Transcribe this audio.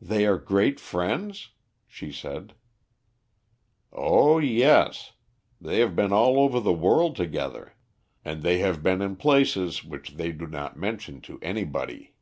"They are great friends?" she said. "Oh, yes. They have been all over the world together. And they have been in places which they do not mention to anybody."